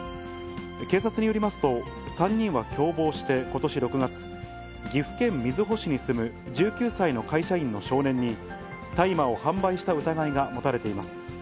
警察によりますと、３人は共謀して、ことし６月、岐阜県瑞穂市に住む１９歳の会社員の少年に大麻を販売した疑いが持たれています。